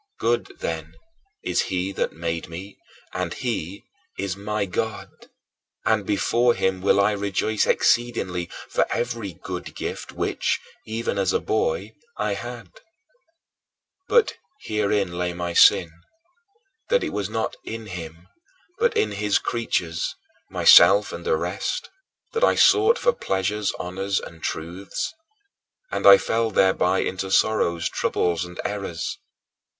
Good, then, is he that made me, and he is my God; and before him will I rejoice exceedingly for every good gift which, even as a boy, I had. But herein lay my sin, that it was not in him, but in his creatures myself and the rest that I sought for pleasures, honors, and truths. And I fell thereby into sorrows, troubles, and errors.